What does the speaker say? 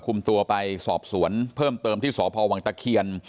คุมตัวไปสอบสวนเพิ่มเติมที่สพวังตะเคียน